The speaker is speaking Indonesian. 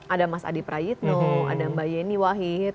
ada mas adi prayitno ada mbak yeni wahid